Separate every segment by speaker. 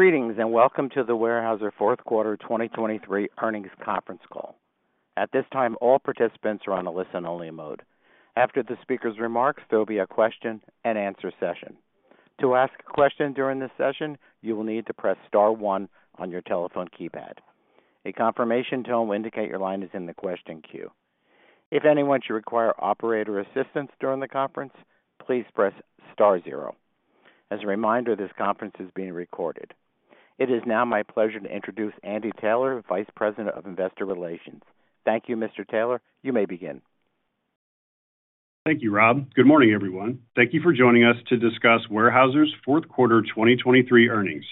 Speaker 1: Greetings, and welcome to the Weyerhaeuser Q4 2023 Earnings Conference Call. At this time, all participants are on a listen-only mode. After the speaker's remarks, there will be a question-and-answer session. To ask a question during this session, you will need to press star one on your telephone keypad. A confirmation tone will indicate your line is in the question queue. If anyone should require operator assistance during the conference, please press star zero. As a reminder, this conference is being recorded. It is now my pleasure to introduce Andy Taylor, Vice President of Investor Relations. Thank you, Mr. Taylor. You may begin.
Speaker 2: Thank you, Rob. Good morning, everyone. Thank you for joining us to discuss Weyerhaeuser's Q4 2023 earnings.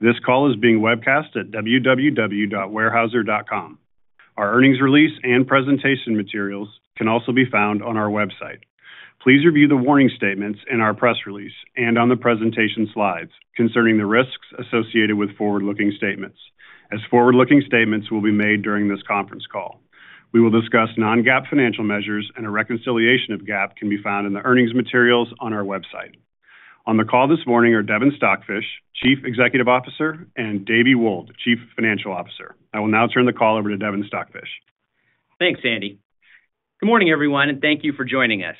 Speaker 2: This call is being webcast at www.weyerhaeuser.com. Our earnings release and presentation materials can also be found on our website. Please review the warning statements in our press release and on the presentation slides concerning the risks associated with forward-looking statements, as forward-looking statements will be made during this conference call. We will discuss non-GAAP financial measures, and a reconciliation of GAAP can be found in the earnings materials on our website. On the call this morning are Devin Stockfish, Chief Executive Officer, and Davie Wold, Chief Financial Officer. I will now turn the call over to Devin Stockfish.
Speaker 3: Thanks, Andy. Good morning, everyone, and thank you for joining us.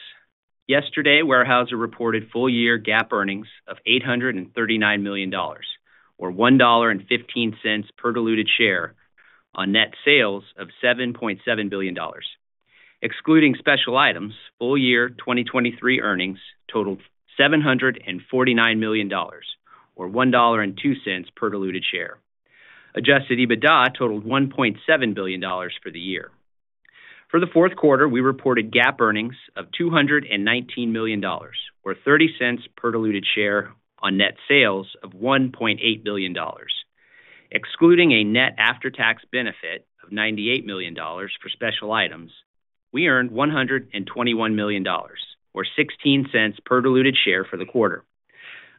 Speaker 3: Yesterday, Weyerhaeuser reported full-year GAAP earnings of $839 million, or $1.15 per diluted share on net sales of $7.7 billion. Excluding special items, full-year 2023 earnings totaled $749 million, or $1.02 per diluted share. Adjusted EBITDA totaled $1.7 billion for the year. For the Q4, we reported GAAP earnings of $219 million, or $0.30 per diluted share on net sales of $1.8 billion. Excluding a net after-tax benefit of $98 million for special items, we earned $121 million, or $0.16 per diluted share for the quarter.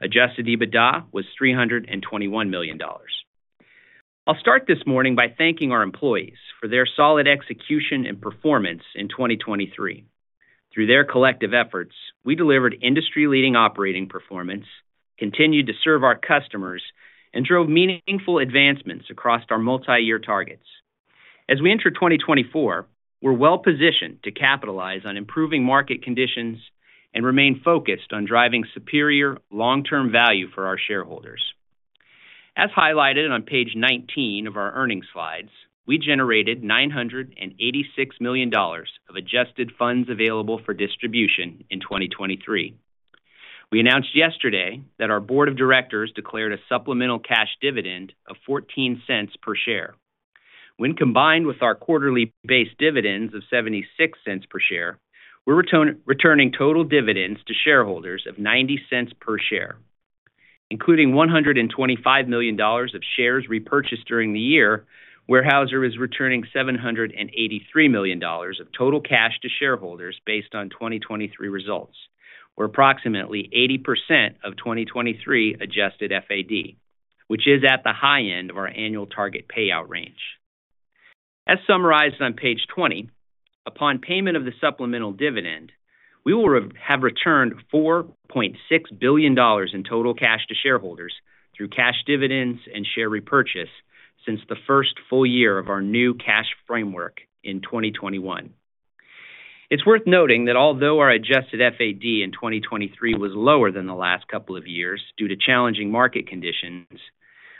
Speaker 3: Adjusted EBITDA was $321 million. I'll start this morning by thanking our employees for their solid execution and performance in 2023. Through their collective efforts, we delivered industry-leading operating performance, continued to serve our customers, and drove meaningful advancements across our multi-year targets. As we enter 2024, we're well-positioned to capitalize on improving market conditions and remain focused on driving superior long-term value for our shareholders. As highlighted on page 19 of our earnings slides, we generated $986 million of adjusted funds available for distribution in 2023. We announced yesterday that our board of directors declared a supplemental cash dividend of $0.14 per share. When combined with our quarterly base dividends of $0.76 per share, we're returning total dividends to shareholders of $0.90 cents per share. Including $125 million of shares repurchased during the year, Weyerhaeuser is returning $783 million of total cash to shareholders based on 2023 results, or approximately 80% of 2023 Adjusted FAD, which is at the high end of our annual target payout range. As summarized on page 20, upon payment of the supplemental dividend, we will have returned $4.6 billion in total cash to shareholders through cash dividends and share repurchase since the first full year of our new cash framework in 2021. It's worth noting that although our Adjusted FAD in 2023 was lower than the last couple of years due to challenging market conditions,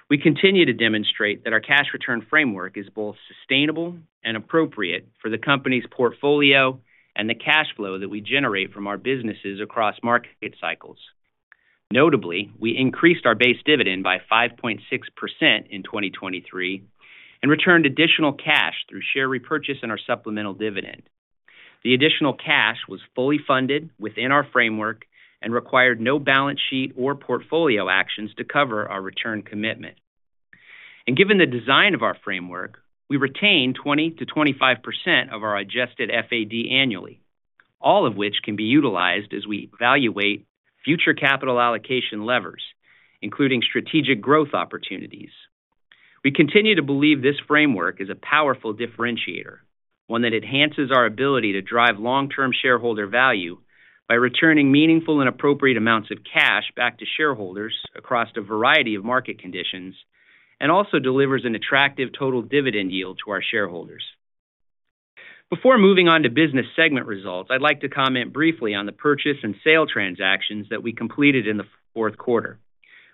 Speaker 3: we continue to demonstrate that our cash return framework is both sustainable and appropriate for the company's portfolio and the cash flow that we generate from our businesses across market cycles. Notably, we increased our base dividend by 5.6% in 2023 and returned additional cash through share repurchase and our supplemental dividend. The additional cash was fully funded within our framework and required no balance sheet or portfolio actions to cover our return commitment. Given the design of our framework, we retain 20%-25% of our Adjusted FAD annually, all of which can be utilized as we evaluate future capital allocation levers, including strategic growth opportunities. We continue to believe this framework is a powerful differentiator, one that enhances our ability to drive long-term shareholder value by returning meaningful and appropriate amounts of cash back to shareholders across a variety of market conditions, and also delivers an attractive total dividend yield to our shareholders. Before moving on to business segment results, I'd like to comment briefly on the purchase and sale transactions that we completed in the fourth quarter,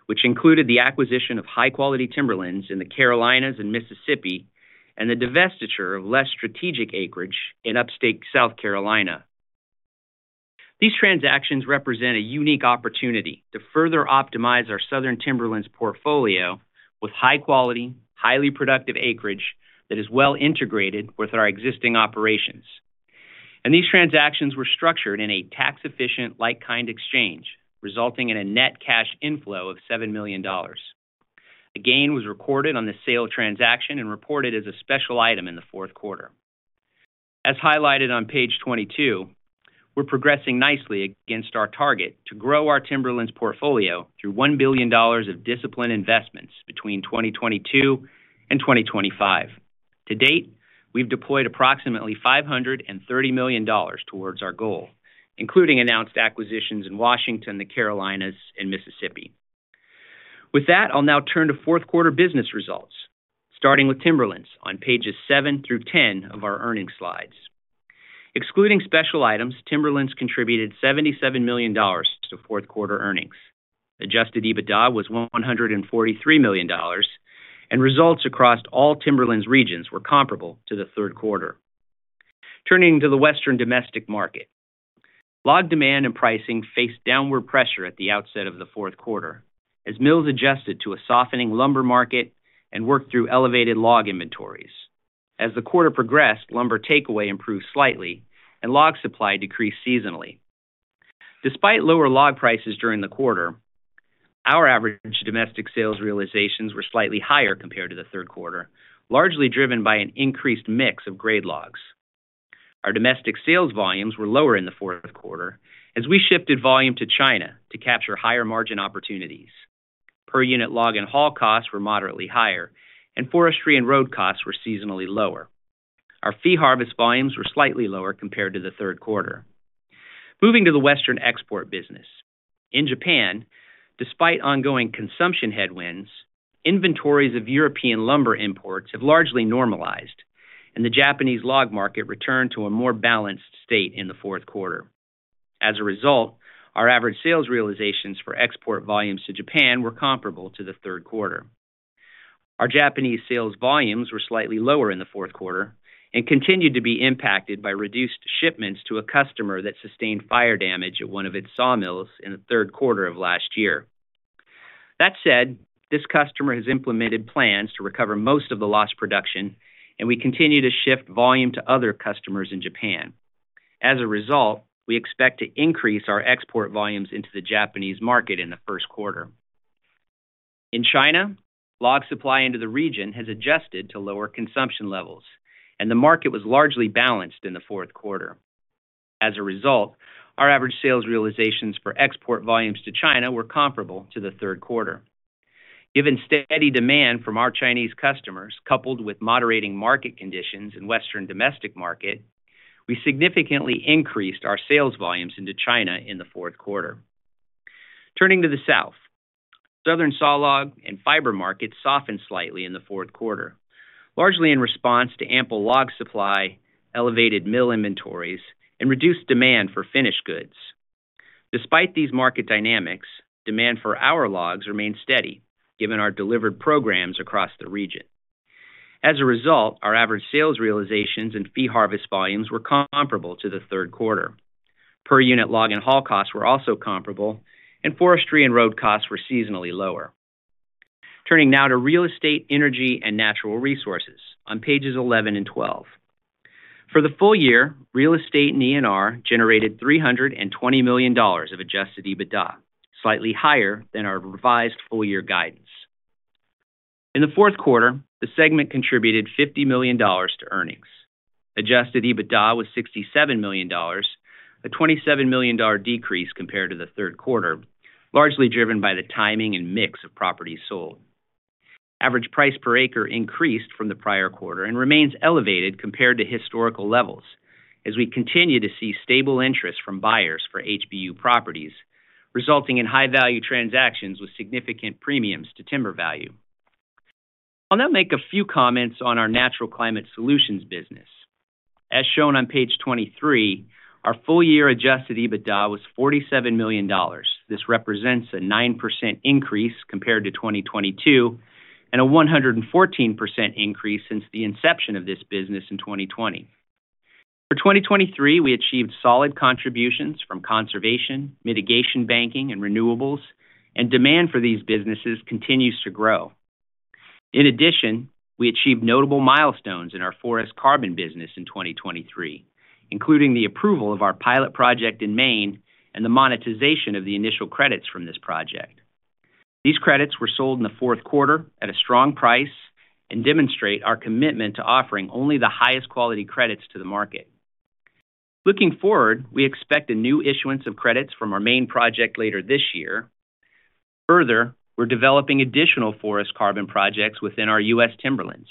Speaker 3: which included the acquisition of high-quality timberlands in the Carolinas and Mississippi and the divestiture of less strategic acreage in upstate South Carolina. These transactions represent a unique opportunity to further optimize our southern Timberlands portfolio with high quality, highly productive acreage that is well integrated with our existing operations. These transactions were structured in a tax-efficient, like-kind exchange, resulting in a net cash inflow of $7 million. A gain was recorded on the sale transaction and reported as a special item in the fourth quarter. As highlighted on page 22, we're progressing nicely against our target to grow our timberlands portfolio through $1 billion of disciplined investments between 2022 and 2025. To date, we've deployed approximately $530 million towards our goal, including announced acquisitions in Washington, the Carolinas, and Mississippi. With that, I'll now turn to Q4 business results, starting with Timberlands on pages seven through 10 of our earnings slides. Excluding special items, Timberlands contributed $77 million to Q4 earnings. Adjusted EBITDA was $143 million, and results across all Timberlands regions were comparable to the Q3. Turning to the Western domestic market. Log demand and pricing faced downward pressure at the outset of the Q4 as mills adjusted to a softening lumber market and worked through elevated log inventories. As the quarter progressed, lumber takeaway improved slightly and log supply decreased seasonally. Despite lower log prices during the quarter, our average domestic sales realizations were slightly higher compared to the Q3, largely driven by an increased mix of grade logs. Our domestic sales volumes were lower in the Q4 as we shifted volume to China to capture higher-margin opportunities. Per-unit log and haul costs were moderately higher, and forestry and road costs were seasonally lower. Our fee harvest volumes were slightly lower compared to the Q3. Moving to the Western export business. In Japan, despite ongoing consumption headwinds, inventories of European lumber imports have largely normalized, and the Japanese log market returned to a more balanced state in the Q4. As a result, our average sales realizations for export volumes to Japan were comparable to the Q3. Our Japanese sales volumes were slightly lower in the Q4 and continued to be impacted by reduced shipments to a customer that sustained fire damage at one of its sawmills in the Q3 of last year. That said, this customer has implemented plans to recover most of the lost production, and we continue to shift volume to other customers in Japan. As a result, we expect to increase our export volumes into the Japanese market in the Q1. In China, log supply into the region has adjusted to lower consumption levels, and the market was largely balanced in the Q4. As a result, our average sales realizations for export volumes to China were comparable to the Q3. Given steady demand from our Chinese customers, coupled with moderating market conditions in western domestic market, we significantly increased our sales volumes into China in the Q4. Turning to the South, southern saw log and fiber markets softened slightly in the Q4, largely in response to ample log supply, elevated mill inventories, and reduced demand for finished goods. Despite these market dynamics, demand for our logs remained steady given our delivered programs across the region. As a result, our average sales realizations and fee harvest volumes were comparable to the Q3. Per-unit log and haul costs were also comparable, and forestry and road costs were seasonally lower. Turning now to real estate, energy, and natural resources on pages 11 and 12. For the full year, real estate and ENR generated $320 million of Adjusted EBITDA, slightly higher than our revised full-year guidance. In the Q4, the segment contributed $50 million to earnings. Adjusted EBITDA was $67 million, a $27 million decrease compared to the Q3, largely driven by the timing and mix of properties sold. Average price per acre increased from the prior quarter and remains elevated compared to historical levels as we continue to see stable interest from buyers for HBU properties, resulting in high-value transactions with significant premiums to timber value. I'll now make a few comments on our Natural Climate Solutions business. As shown on page 23, our full-year Adjusted EBITDA was $47 million. This represents a 9% increase compared to 2022 and a 114% increase since the inception of this business in 2020. For 2023, we achieved solid contributions from conservation, mitigation banking, and renewables, and demand for these businesses continues to grow. In addition, we achieved notable milestones in our forest carbon business in 2023, including the approval of our pilot project in Maine and the monetization of the initial credits from this project. These credits were sold in the Q4 at a strong price and demonstrate our commitment to offering only the highest quality credits to the market. Looking forward, we expect a new issuance of credits from our main project later this year. Further, we're developing additional forest carbon projects within our U.S. Timberlands.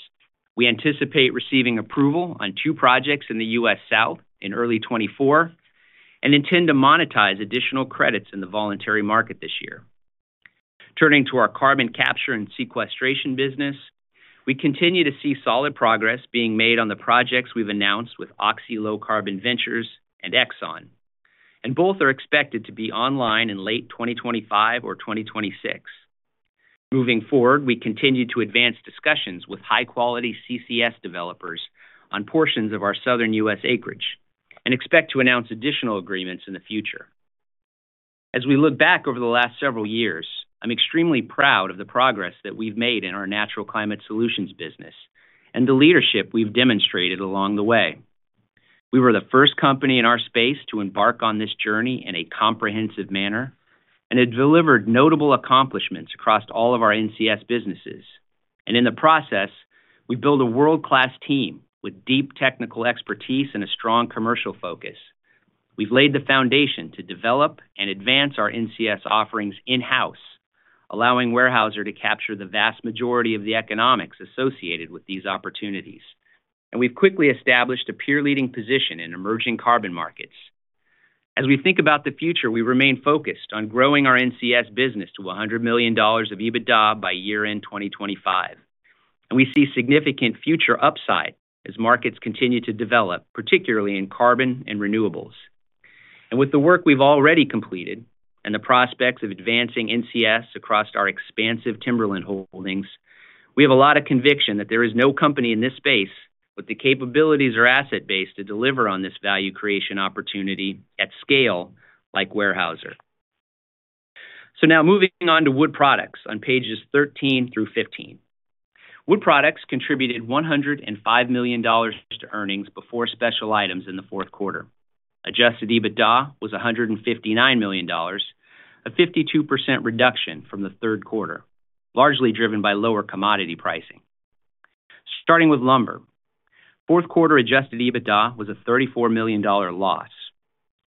Speaker 3: We anticipate receiving approval on two projects in the U.S. South in early 2024 and intend to monetize additional credits in the voluntary market this year. Turning to our carbon capture and sequestration business, we continue to see solid progress being made on the projects we've announced with Oxy Low Carbon Ventures and Exxon, and both are expected to be online in late 2025 or 2026. Moving forward, we continue to advance discussions with high-quality CCS developers on portions of our Southern U.S. acreage and expect to announce additional agreements in the future. As we look back over the last several years, I'm extremely proud of the progress that we've made in our Natural Climate Solutions business and the leadership we've demonstrated along the way. We were the first company in our space to embark on this journey in a comprehensive manner, and it delivered notable accomplishments across all of our NCS businesses. In the process, we built a world-class team with deep technical expertise and a strong commercial focus. We've laid the foundation to develop and advance our NCS offerings in-house... allowing Weyerhaeuser to capture the vast majority of the economics associated with these opportunities. We've quickly established a peer-leading position in emerging carbon markets. As we think about the future, we remain focused on growing our NCS business to $100 million of EBITDA by year-end 2025. We see significant future upside as markets continue to develop, particularly in carbon and renewables. With the work we've already completed and the prospects of advancing NCS across our expansive timberland holdings, we have a lot of conviction that there is no company in this space with the capabilities or asset base to deliver on this value creation opportunity at scale like Weyerhaeuser. Now moving on to Wood Products on pages 13 through 15. Wood Products contributed $105 million to earnings before special items in the Q4. Adjusted EBITDA was $159 million, a 52% reduction from the third quarter, largely driven by lower commodity pricing. Starting with lumber. Q4 adjusted EBITDA was a $34 million loss.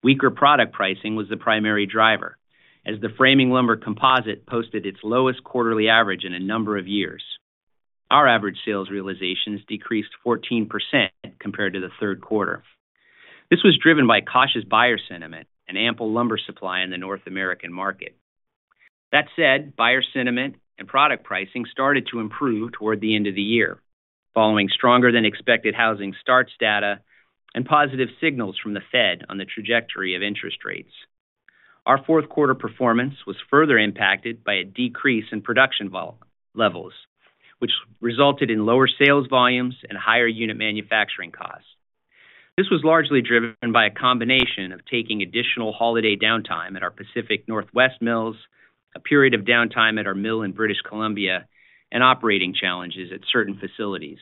Speaker 3: Weaker product pricing was the primary driver, as the framing lumber composite posted its lowest quarterly average in a number of years. Our average sales realizations decreased 14% compared to the Q3. This was driven by cautious buyer sentiment and ample lumber supply in the North American market. That said, buyer sentiment and product pricing started to improve toward the end of the year, following stronger-than-expected housing starts data and positive signals from the Fed on the trajectory of interest rates. Our Q4 performance was further impacted by a decrease in production volume levels, which resulted in lower sales volumes and higher unit manufacturing costs. This was largely driven by a combination of taking additional holiday downtime at our Pacific Northwest mills, a period of downtime at our mill in British Columbia, and operating challenges at certain facilities.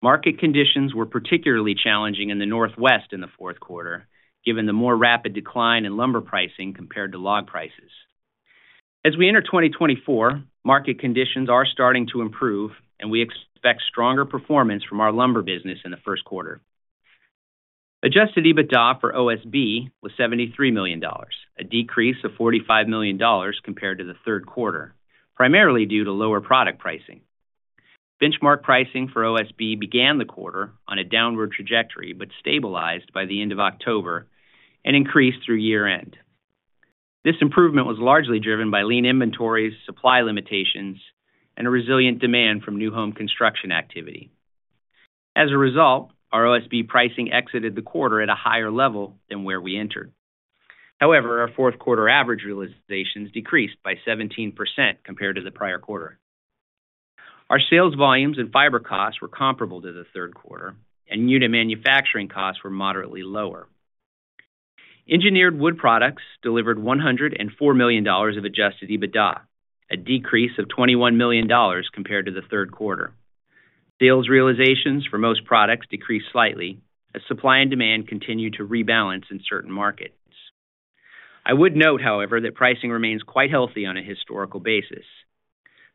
Speaker 3: Market conditions were particularly challenging in the Northwest in the Q4, given the more rapid decline in lumber pricing compared to log prices. As we enter 2024, market conditions are starting to improve, and we expect stronger performance from our lumber business in the Q1. Adjusted EBITDA for OSB was $73 million, a decrease of $45 million compared to the Q3, primarily due to lower product pricing. Benchmark pricing for OSB began the quarter on a downward trajectory, but stabilized by the end of October and increased through year-end. This improvement was largely driven by lean inventories, supply limitations, and a resilient demand from new home construction activity. As a result, our OSB pricing exited the quarter at a higher level than where we entered. However, our Q4 average realizations decreased by 17% compared to the prior quarter. Our sales volumes and fiber costs were comparable to the Q3, and unit manufacturing costs were moderately lower. Engineered Wood Products delivered $104 million of Adjusted EBITDA, a decrease of $21 million compared to the Q3. Sales realizations for most products decreased slightly as supply and demand continued to rebalance in certain markets. I would note, however, that pricing remains quite healthy on a historical basis.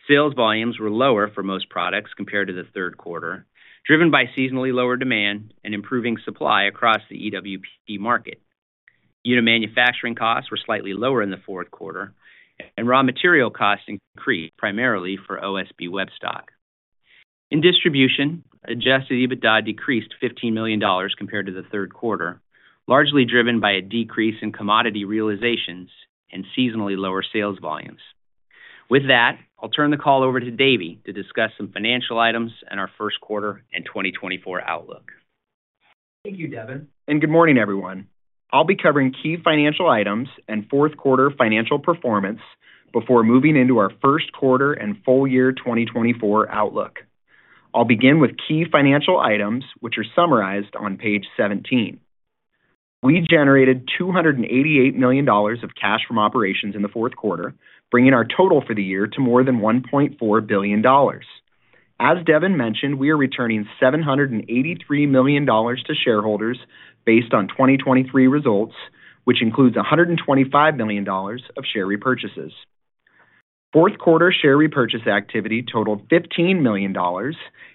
Speaker 3: Sales volumes were lower for most products compared to the Q3, driven by seasonally lower demand and improving supply across the EWP market. Unit manufacturing costs were slightly lower in the Q4, and raw material costs increased, primarily for OSB web stock. In Distribution, Adjusted EBITDA decreased $15 million compared to the Q3, largely driven by a decrease in commodity realizations and seasonally lower sales volumes. With that, I'll turn the call over to Davie to discuss some financial items and our Q1 and 2024 outlook.
Speaker 4: Thank you, Devin, and good morning, everyone. I'll be covering key financial items and Q4 financial performance before moving into our first quarter and full year 2024 outlook. I'll begin with key financial items, which are summarized on page 17. We generated $288 million of cash from operations in the Q4, bringing our total for the year to more than $1.4 billion. As Devin mentioned, we are returning $783 million to shareholders based on 2023 results, which includes $125 million of share repurchases. Q4 share repurchase activity totaled $15 million,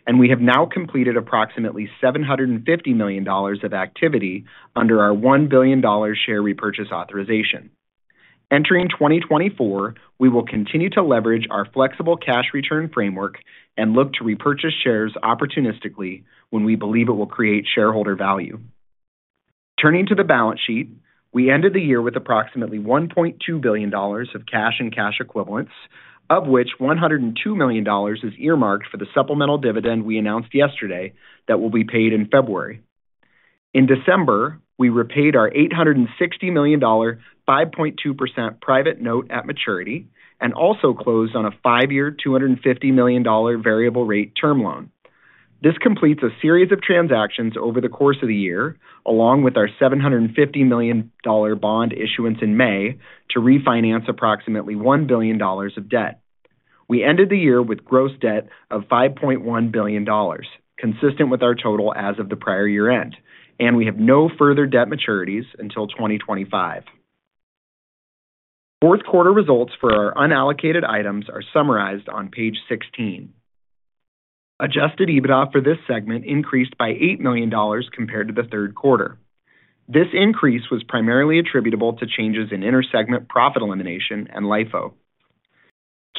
Speaker 4: and we have now completed approximately $750 million of activity under our $1 billion share repurchase authorization. Entering 2024, we will continue to leverage our flexible cash return framework and look to repurchase shares opportunistically when we believe it will create shareholder value. Turning to the balance sheet, we ended the year with approximately $1.2 billion of cash and cash equivalents, of which $102 million is earmarked for the supplemental dividend we announced yesterday that will be paid in February. In December, we repaid our $860 million, 5.2% private note at maturity, and also closed on a five-year, $250 million variable rate term loan. This completes a series of transactions over the course of the year, along with our $750 million bond issuance in May, to refinance approximately $1 billion of debt. We ended the year with gross debt of $5.1 billion, consistent with our total as of the prior year-end, and we have no further debt maturities until 2025. Q4 results for our unallocated items are summarized on page 16. Adjusted EBITDA for this segment increased by $8 million compared to the Q3. This increase was primarily attributable to changes in intersegment profit elimination and LIFO.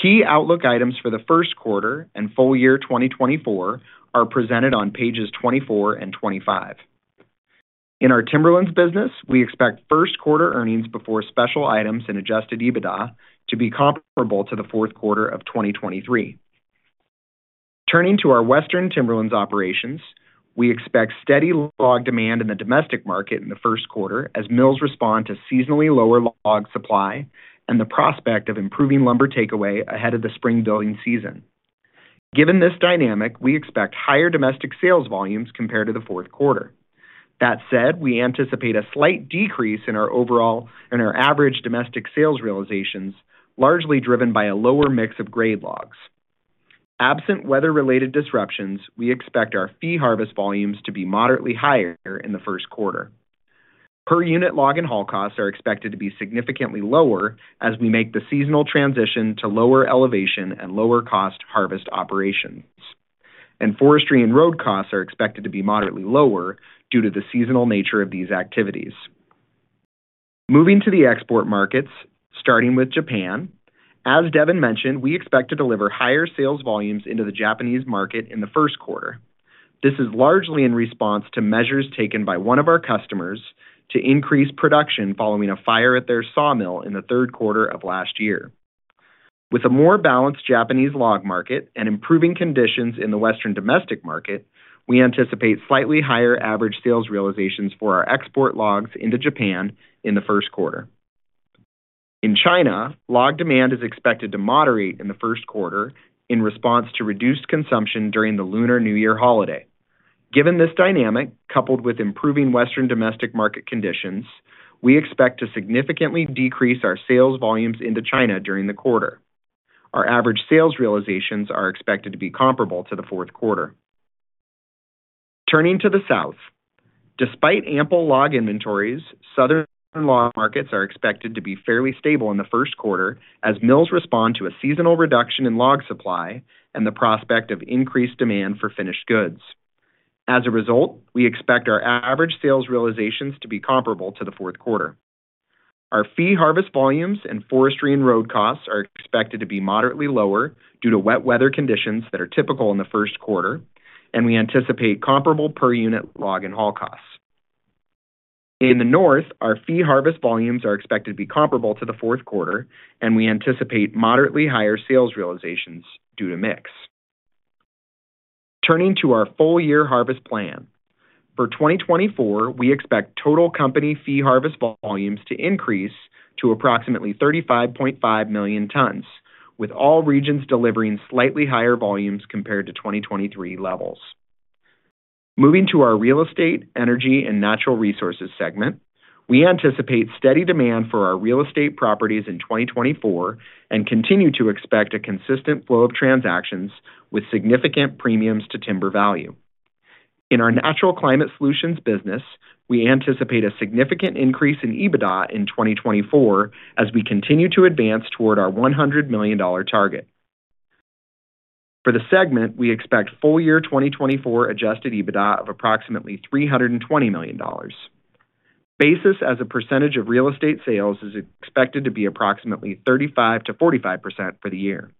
Speaker 4: Key outlook items for the Q1 and full year 2024 are presented on pages 24 and 25. In our Timberlands business, we expect Q1 earnings before special items and adjusted EBITDA to be comparable to the Q4 of 2023. Turning to our Western Timberlands operations, we expect steady log demand in the domestic market in the Q1 as mills respond to seasonally lower log supply and the prospect of improving lumber takeaway ahead of the spring building season. Given this dynamic, we expect higher domestic sales volumes compared to the Q4. That said, we anticipate a slight decrease in our average domestic sales realizations, largely driven by a lower mix of grade logs. Absent weather-related disruptions, we expect our fee harvest volumes to be moderately higher in the Q1. Per-unit log and haul costs are expected to be significantly lower as we make the seasonal transition to lower elevation and lower cost harvest operations. Forestry and road costs are expected to be moderately lower due to the seasonal nature of these activities. Moving to the export markets, starting with Japan. As Devin mentioned, we expect to deliver higher sales volumes into the Japanese market in the Q1. This is largely in response to measures taken by one of our customers to increase production following a fire at their sawmill in the Q3 of last year. With a more balanced Japanese log market and improving conditions in the Western domestic market, we anticipate slightly higher average sales realizations for our export logs into Japan in the Q1. In China, log demand is expected to moderate in the Q1 in response to reduced consumption during the Lunar New Year holiday. Given this dynamic, coupled with improving Western domestic market conditions, we expect to significantly decrease our sales volumes into China during the quarter. Our average sales realizations are expected to be comparable to the Q4. Turning to the South, despite ample log inventories, southern log markets are expected to be fairly stable in the Q1 as mills respond to a seasonal reduction in log supply and the prospect of increased demand for finished goods. As a result, we expect our average sales realizations to be comparable to the Q4. Our fee harvest volumes and forestry and road costs are expected to be moderately lower due to wet weather conditions that are typical in the Q1, and we anticipate comparable per-unit log and haul costs. In the North, our fee harvest volumes are expected to be comparable to the Q4, and we anticipate moderately higher sales realizations due to mix. Turning to our full-year harvest plan. For 2024, we expect total company fee harvest volumes to increase to approximately 35.5 million tons, with all regions delivering slightly higher volumes compared to 2023 levels. Moving to our real estate, energy, and natural resources segment, we anticipate steady demand for our real estate properties in 2024 and continue to expect a consistent flow of transactions with significant premiums to timber value. In our natural climate solutions business, we anticipate a significant increase in EBITDA in 2024 as we continue to advance toward our $100 million target. For the segment, we expect full-year 2024 adjusted EBITDA of approximately $320 million. Basis as a percentage of real estate sales is expected to be approximately 35%-45% for the year.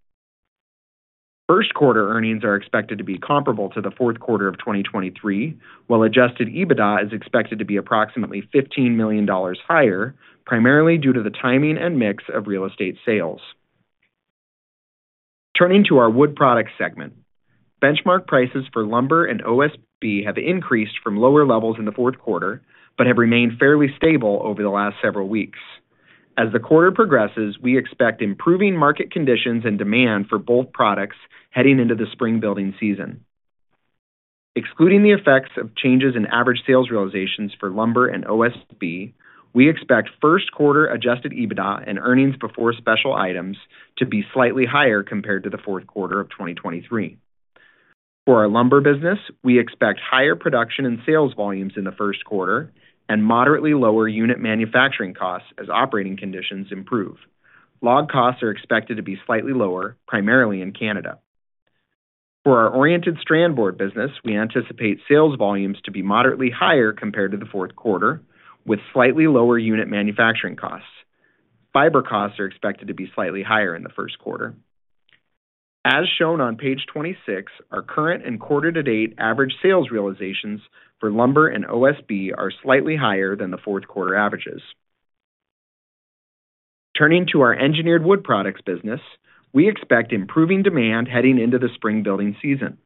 Speaker 4: Q1 earnings are expected to be comparable to the Q4 of 2023, while Adjusted EBITDA is expected to be approximately $15 million higher, primarily due to the timing and mix of real estate sales. Turning to our wood products segment. Benchmark prices for lumber and OSB have increased from lower levels in the Q4, but have remained fairly stable over the last several weeks. As the quarter progresses, we expect improving market conditions and demand for both products heading into the spring building season. Excluding the effects of changes in average sales realizations for lumber and OSB, we expect Q1 Adjusted EBITDA and earnings before special items to be slightly higher compared to the Q4 of 2023. For our lumber business, we expect higher production and sales volumes in the Q1 and moderately lower unit manufacturing costs as operating conditions improve. Log costs are expected to be slightly lower, primarily in Canada. For our oriented strand board business, we anticipate sales volumes to be moderately higher compared to the Q4, with slightly lower unit manufacturing costs. Fiber costs are expected to be slightly higher in the Q1. As shown on page 26, our current and quarter-to-date average sales realizations for lumber and OSB are slightly higher than the Q4 averages. Turning to our engineered wood products business, we expect improving demand heading into the spring building season.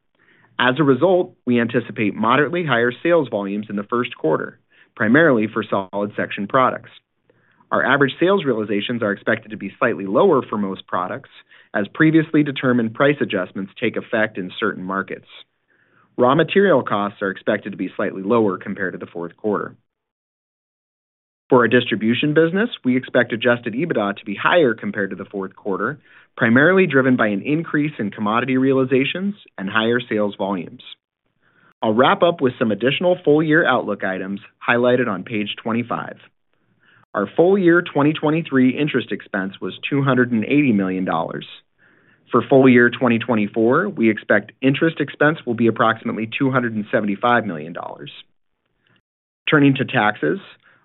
Speaker 4: As a result, we anticipate moderately higher sales volumes in the Q1, primarily for solid section products. Our average sales realizations are expected to be slightly lower for most products, as previously determined price adjustments take effect in certain markets. Raw material costs are expected to be slightly lower compared to the Q4. For our distribution business, we expect Adjusted EBITDA to be higher compared to the Q4, primarily driven by an increase in commodity realizations and higher sales volumes.... I'll wrap up with some additional full year outlook items highlighted on page 25. Our full year 2023 interest expense was $280 million. For full year 2024, we expect interest expense will be approximately $275 million. Turning to taxes,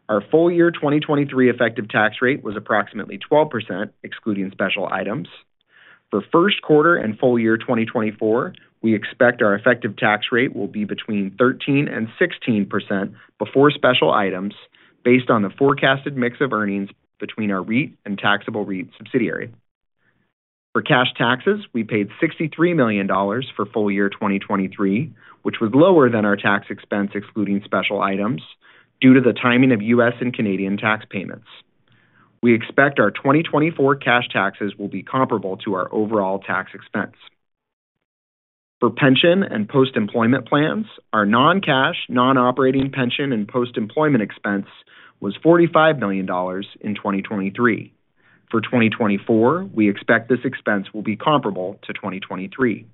Speaker 4: our full year 2023 effective tax rate was approximately 12%, excluding special items. For Q1 and full year 2024, we expect our effective tax rate will be between 13% and 16% before special items, based on the forecasted mix of earnings between our REIT and taxable REIT subsidiary. For cash taxes, we paid $63 million for full year 2023, which was lower than our tax expense, excluding special items, due to the timing of U.S. and Canadian tax payments. We expect our 2024 cash taxes will be comparable to our overall tax expense. For pension and post-employment plans, our non-cash, non-operating pension and post-employment expense was $45 million in 2023. For 2024, we expect this expense will be comparable to 2023.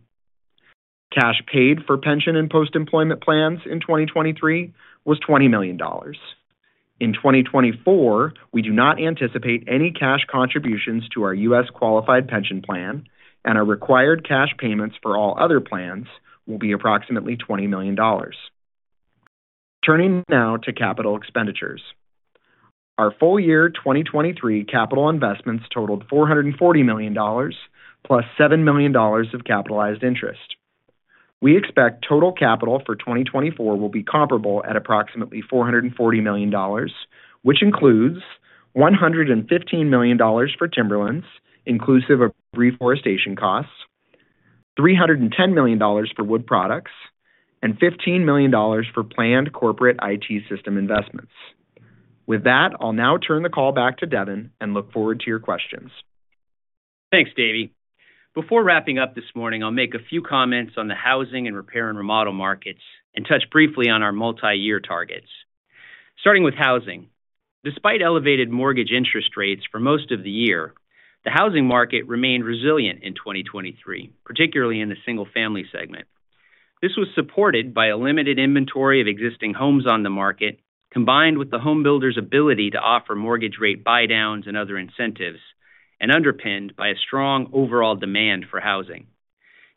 Speaker 4: Cash paid for pension and post-employment plans in 2023 was $20 million. In 2024, we do not anticipate any cash contributions to our U.S. qualified pension plan, and our required cash payments for all other plans will be approximately $20 million. Turning now to capital expenditures. Our full year 2023 capital investments totaled $440 million, plus $7 million of capitalized interest. We expect total capital for 2024 will be comparable at approximately $440 million, which includes $115 million for timberlands, inclusive of reforestation costs, $310 million for wood products, and $15 million for planned corporate IT system investments. With that, I'll now turn the call back to Devin and look forward to your questions.
Speaker 3: Thanks, Davie. Before wrapping up this morning, I'll make a few comments on the housing and repair and remodel markets and touch briefly on our multi-year targets. Starting with housing. Despite elevated mortgage interest rates for most of the year, the housing market remained resilient in 2023, particularly in the single-family segment. This was supported by a limited inventory of existing homes on the market, combined with the home builder's ability to offer mortgage rate buy downs and other incentives, and underpinned by a strong overall demand for housing.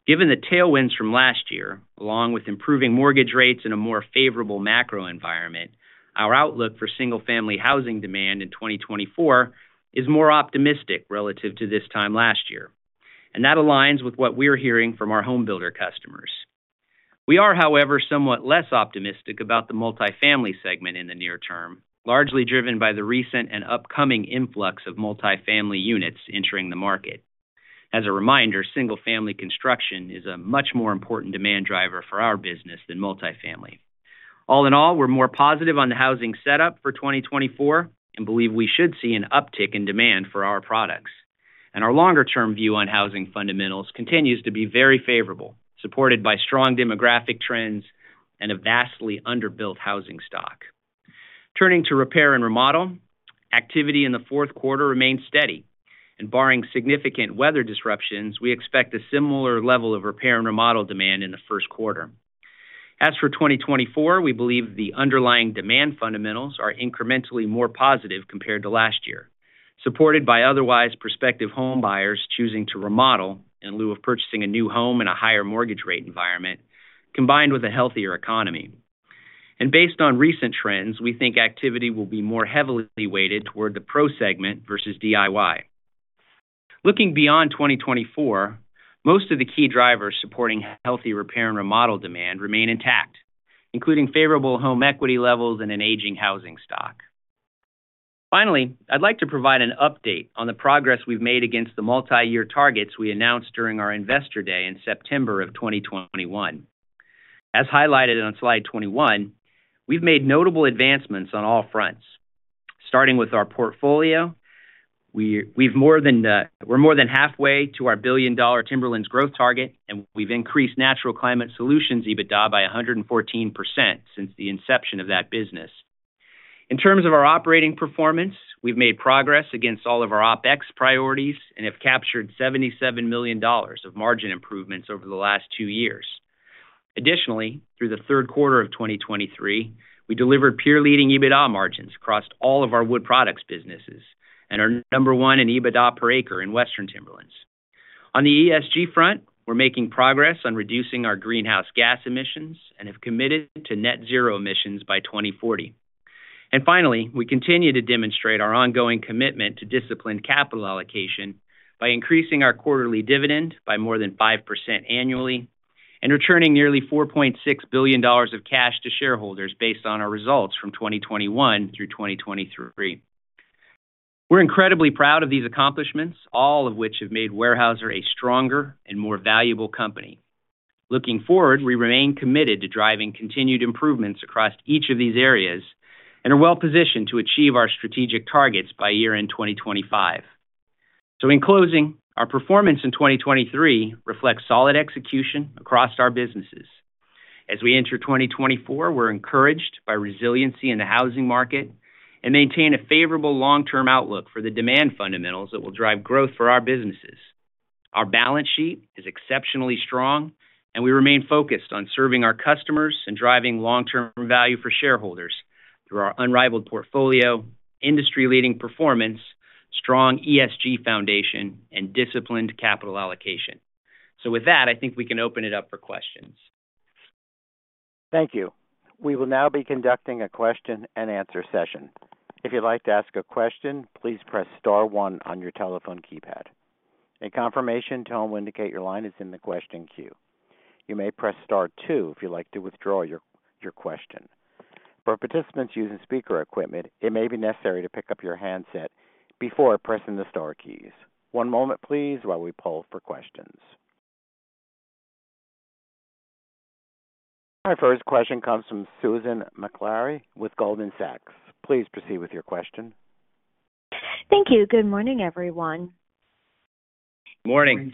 Speaker 3: Given the tailwinds from last year, along with improving mortgage rates in a more favorable macro environment, our outlook for single-family housing demand in 2024 is more optimistic relative to this time last year, and that aligns with what we're hearing from our home builder customers. We are, however, somewhat less optimistic about the multifamily segment in the near term, largely driven by the recent and upcoming influx of multifamily units entering the market. As a reminder, single-family construction is a much more important demand driver for our business than multifamily. All in all, we're more positive on the housing setup for 2024 and believe we should see an uptick in demand for our products. And our longer-term view on housing fundamentals continues to be very favorable, supported by strong demographic trends and a vastly underbuilt housing stock. Turning to repair and remodel, activity in the Q4 remained steady, and barring significant weather disruptions, we expect a similar level of repair and remodel demand in the Q1. As for 2024, we believe the underlying demand fundamentals are incrementally more positive compared to last year, supported by otherwise prospective home buyers choosing to remodel in lieu of purchasing a new home in a higher mortgage rate environment, combined with a healthier economy. And based on recent trends, we think activity will be more heavily weighted toward the pro segment versus DIY. Looking beyond 2024, most of the key drivers supporting healthy repair and remodel demand remain intact, including favorable home equity levels and an aging housing stock. Finally, I'd like to provide an update on the progress we've made against the multi-year targets we announced during our Investor Day in September of 2021. As highlighted on slide 21, we've made notable advancements on all fronts. Starting with our portfolio, we've more than... We're more than halfway to our billion-dollar timberlands growth target, and we've increased natural climate solutions EBITDA by 114% since the inception of that business. In terms of our operating performance, we've made progress against all of our OpEx priorities and have captured $77 million of margin improvements over the last two years. Additionally, through the Q3 of 2023, we delivered peer-leading EBITDA margins across all of our wood products businesses and are number one in EBITDA per acre in Western Timberlands. On the ESG front, we're making progress on reducing our greenhouse gas emissions and have committed to net zero emissions by 2040. Finally, we continue to demonstrate our ongoing commitment to disciplined capital allocation by increasing our quarterly dividend by more than 5% annually and returning nearly $4.6 billion of cash to shareholders based on our results from 2021 through 2023. We're incredibly proud of these accomplishments, all of which have made Weyerhaeuser a stronger and more valuable company. Looking forward, we remain committed to driving continued improvements across each of these areas and are well-positioned to achieve our strategic targets by year-end 2025. So in closing, our performance in 2023 reflects solid execution across our businesses. As we enter 2024, we're encouraged by resiliency in the housing market and maintain a favorable long-term outlook for the demand fundamentals that will drive growth for our businesses.... Our balance sheet is exceptionally strong, and we remain focused on serving our customers and driving long-term value for shareholders through our unrivaled portfolio, industry-leading performance, strong ESG foundation, and disciplined capital allocation. With that, I think we can open it up for questions.
Speaker 1: Thank you. We will now be conducting a question-and-answer session. If you'd like to ask a question, please press star one on your telephone keypad. A confirmation tone will indicate your line is in the question queue. You may press star two if you'd like to withdraw your question. For participants using speaker equipment, it may be necessary to pick up your handset before pressing the star keys. One moment please, while we poll for questions. My first question comes from Susan Maklari with Goldman Sachs. Please proceed with your question.
Speaker 5: Thank you. Good morning, everyone.
Speaker 3: Morning.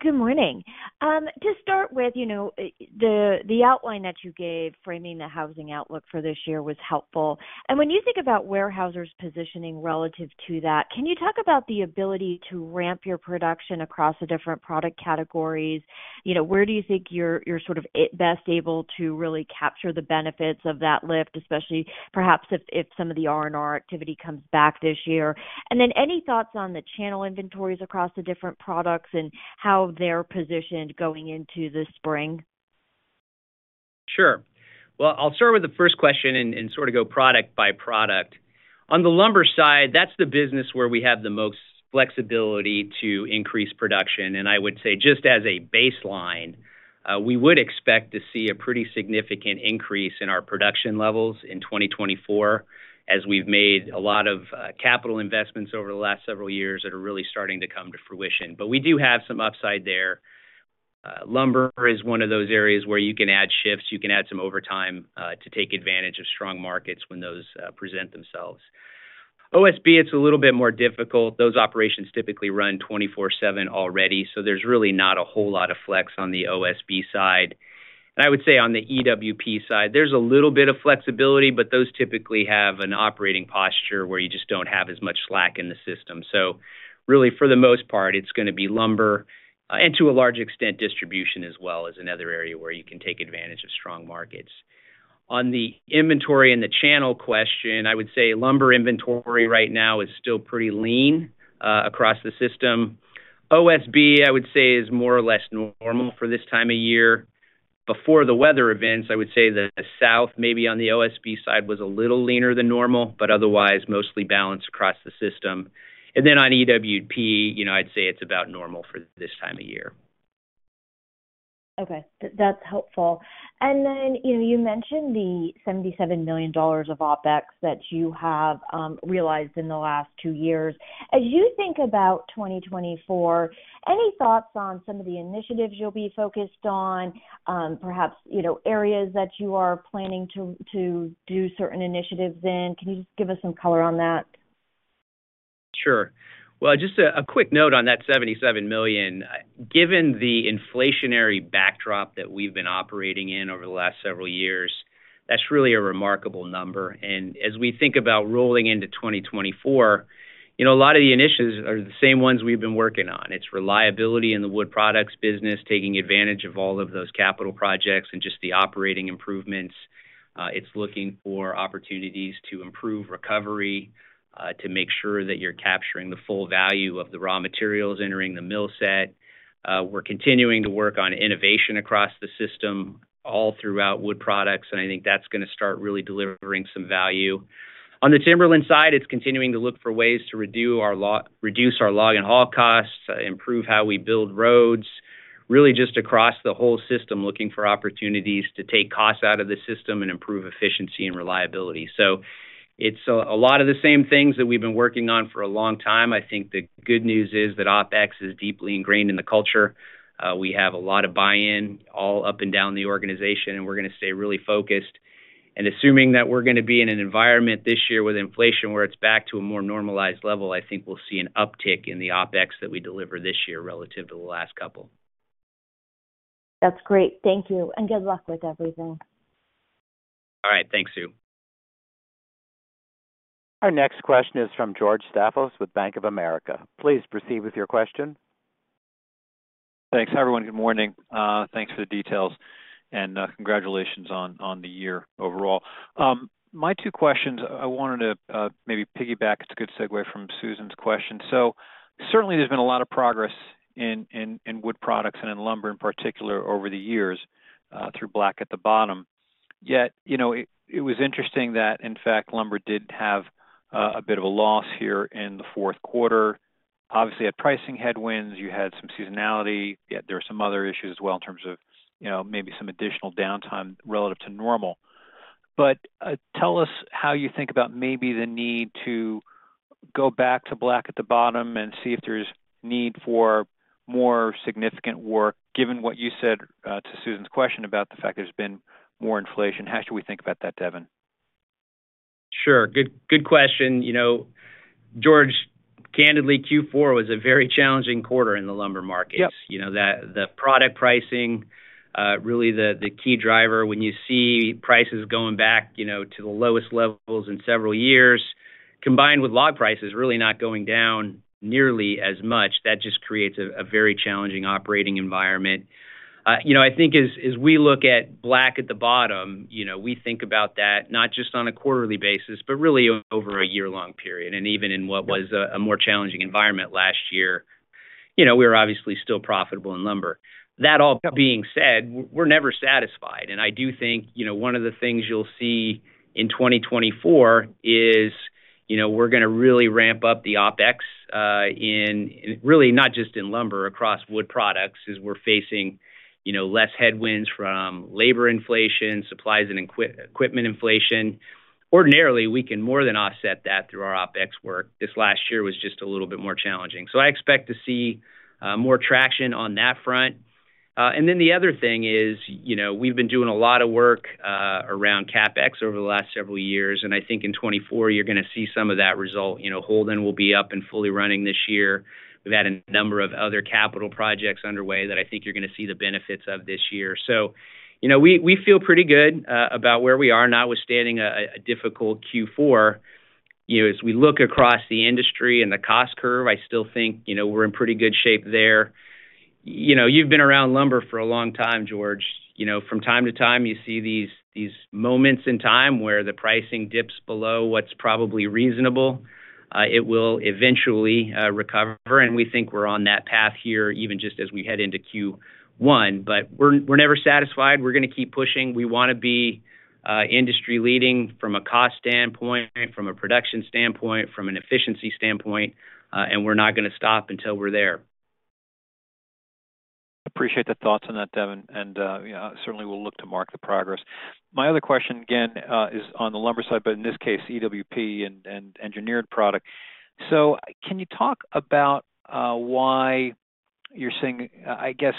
Speaker 5: Good morning. To start with, you know, the outline that you gave framing the housing outlook for this year was helpful. And when you think about Weyerhaeuser's positioning relative to that, can you talk about the ability to ramp your production across the different product categories? You know, where do you think you're sort of at best able to really capture the benefits of that lift, especially perhaps if some of the R&R activity comes back this year? And then any thoughts on the channel inventories across the different products and how they're positioned going into the spring?
Speaker 3: Sure. Well, I'll start with the first question and sort of go product by product. On the lumber side, that's the business where we have the most flexibility to increase production, and I would say, just as a baseline, we would expect to see a pretty significant increase in our production levels in 2024, as we've made a lot of capital investments over the last several years that are really starting to come to fruition. But we do have some upside there. Lumber is one of those areas where you can add shifts, you can add some overtime to take advantage of strong markets when those present themselves. OSB, it's a little bit more difficult. Those operations typically run 24/7 already, so there's really not a whole lot of flex on the OSB side. And I would say on the EWP side, there's a little bit of flexibility, but those typically have an operating posture where you just don't have as much slack in the system. So really, for the most part, it's gonna be lumber, and to a large extent, distribution as well, is another area where you can take advantage of strong markets. On the inventory and the channel question, I would say lumber inventory right now is still pretty lean, across the system. OSB, I would say, is more or less normal for this time of year. Before the weather events, I would say the South, maybe on the OSB side, was a little leaner than normal, but otherwise mostly balanced across the system. And then on EWP, you know, I'd say it's about normal for this time of year.
Speaker 5: Okay, that's helpful. And then, you know, you mentioned the $77 million of OpEx that you have realized in the last two years. As you think about 2024, any thoughts on some of the initiatives you'll be focused on? Perhaps, you know, areas that you are planning to do certain initiatives in. Can you just give us some color on that?
Speaker 3: Sure. Well, just a quick note on that $77 million. Given the inflationary backdrop that we've been operating in over the last several years, that's really a remarkable number, and as we think about rolling into 2024, you know, a lot of the initiatives are the same ones we've been working on. It's reliability in the wood products business, taking advantage of all of those capital projects and just the operating improvements. It's looking for opportunities to improve recovery, to make sure that you're capturing the full value of the raw materials entering the mills. We're continuing to work on innovation across the system, all throughout wood products, and I think that's gonna start really delivering some value. On the timberland side, it's continuing to look for ways to reduce our log and haul costs, improve how we build roads, really just across the whole system, looking for opportunities to take costs out of the system and improve efficiency and reliability. So it's a lot of the same things that we've been working on for a long time. I think the good news is that OpEx is deeply ingrained in the culture. We have a lot of buy-in all up and down the organization, and we're gonna stay really focused. And assuming that we're gonna be in an environment this year with inflation, where it's back to a more normalized level, I think we'll see an uptick in the OpEx that we deliver this year relative to the last couple.
Speaker 5: That's great. Thank you, and good luck with everything.
Speaker 3: All right. Thanks, Sue.
Speaker 1: Our next question is from George Staphos with Bank of America. Please proceed with your question.
Speaker 6: Thanks, everyone. Good morning. Thanks for the details, and congratulations on the year overall. My two questions, I wanted to maybe piggyback. It's a good segue from Susan's question. So certainly there's been a lot of progress in wood products and in lumber in particular over the years through Black at the Bottom. Yet, you know, it was interesting that, in fact, lumber did have a bit of a loss here in the Q4. Obviously, pricing headwinds, you had some seasonality, yet there are some other issues as well in terms of, you know, maybe some additional downtime relative to normal. But, tell us how you think about maybe the need to go back to Black at the Bottom and see if there's need for more significant work, given what you said to Susan's question about the fact there's been more inflation. How should we think about that, Devin?
Speaker 3: Sure. Good, good question. You know, George, candidly, Q4 was a very challenging quarter in the lumber markets.
Speaker 6: Yep.
Speaker 3: You know, the product pricing really the key driver when you see prices going back, you know, to the lowest levels in several years, combined with log prices really not going down nearly as much, that just creates a very challenging operating environment. You know, I think as we look at Black at the Bottom, you know, we think about that not just on a quarterly basis, but really over a year-long period. And even in what was a more challenging environment last year, you know, we were obviously still profitable in lumber. That all being said, we're never satisfied, and I do think, you know, one of the things you'll see in 2024 is, you know, we're gonna really ramp up the OpEx, really not just in lumber, across wood products, as we're facing, you know, less headwinds from labor inflation, supplies and equipment inflation. Ordinarily, we can more than offset that through our OpEx work. This last year was just a little bit more challenging. So I expect to see more traction on that front. And then the other thing is, you know, we've been doing a lot of work around CapEx over the last several years, and I think in 2024 you're gonna see some of that result. You know, Holden will be up and fully running this year. We've had a number of other capital projects underway that I think you're gonna see the benefits of this year. So, you know, we, we feel pretty good about where we are, notwithstanding a difficult Q4. You know, as we look across the industry and the cost curve, I still think, you know, we're in pretty good shape there. You know, you've been around lumber for a long time, George. You know, from time to time, you see these moments in time where the pricing dips below what's probably reasonable. It will eventually recover, and we think we're on that path here, even just as we head into Q1. But we're, we're never satisfied. We're gonna keep pushing. We wanna be industry-leading from a cost standpoint, from a production standpoint, from an efficiency standpoint, and we're not gonna stop until we're there.
Speaker 6: Appreciate the thoughts on that, Devin, and, yeah, certainly we'll look to mark the progress. My other question, again, is on the lumber side, but in this case, EWP and engineered product. So can you talk about why you're seeing, I guess,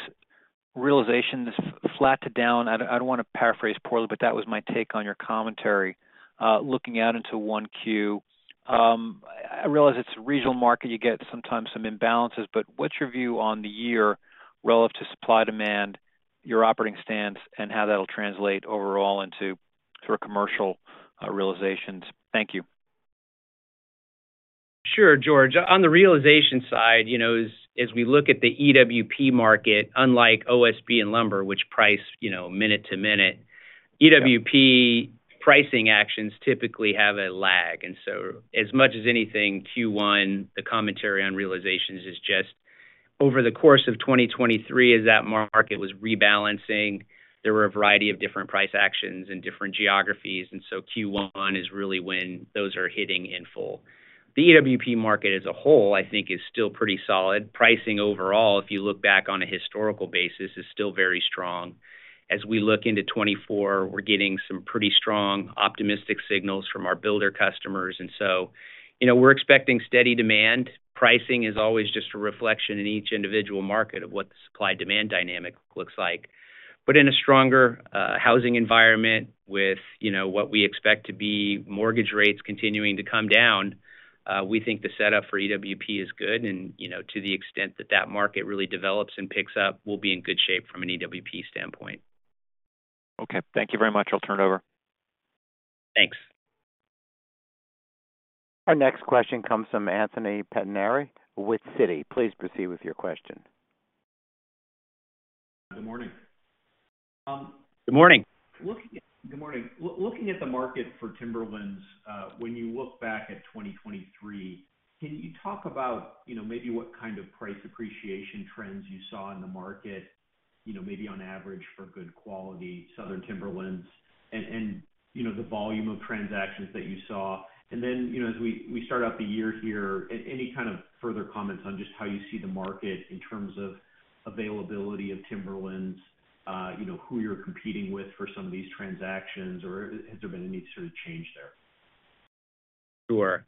Speaker 6: realization is flat to down? I don't wanna paraphrase poorly, but that was my take on your commentary, looking out into Q1. I realize it's a regional market, you get sometimes some imbalances, but what's your view on the year relative to supply, demand, your operating stance, and how that'll translate overall into commercial realizations? Thank you.
Speaker 3: Sure, George. On the realization side, you know, as we look at the EWP market, unlike OSB and lumber, which price, you know, minute to minute, EWP pricing actions typically have a lag, and so as much as anything, Q1, the commentary on realizations is just over the course of 2023, as that market was rebalancing, there were a variety of different price actions in different geographies, and so Q1 is really when those are hitting in full. The EWP market as a whole, I think, is still pretty solid. Pricing overall, if you look back on a historical basis, is still very strong. As we look into 2024, we're getting some pretty strong optimistic signals from our builder customers, and so, you know, we're expecting steady demand. Pricing is always just a reflection in each individual market of what the supply-demand dynamic looks like. In a stronger housing environment with, you know, what we expect to be mortgage rates continuing to come down, we think the setup for EWP is good, and, you know, to the extent that that market really develops and picks up, we'll be in good shape from an EWP standpoint.
Speaker 6: Okay. Thank you very much. I'll turn it over.
Speaker 3: Thanks.
Speaker 1: Our next question comes from Anthony Pettinari with Citi. Please proceed with your question.
Speaker 7: Good morning.
Speaker 3: Good morning.
Speaker 7: Good morning. Looking at the market for timberlands, when you look back at 2023, can you talk about, you know, maybe what kind of price appreciation trends you saw in the market, you know, maybe on average for good quality southern timberlands and, you know, the volume of transactions that you saw? And then, you know, as we start out the year here, any kind of further comments on just how you see the market in terms of availability of timberlands, you know, who you're competing with for some of these transactions, or has there been any sort of change there?
Speaker 3: Sure.